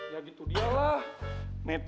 ya gitu dia lah